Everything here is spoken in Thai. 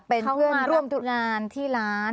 เขามาร่วมงานที่ร้าน